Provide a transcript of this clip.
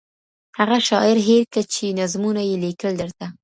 هغه شاعر هېر که چي نظمونه یې لیکل درته